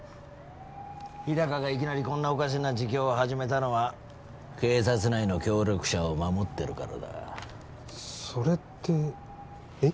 日高がいきなりこんなおかしな自供を始めたのは警察内の協力者を守ってるからだそれってえっ？